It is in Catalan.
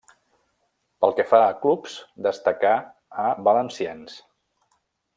Pel que fa a clubs, destacà a Valenciennes.